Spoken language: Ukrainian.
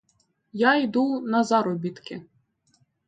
Я йду на заробітки.